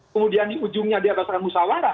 kemudian di ujungnya dia berdasarkan musawarah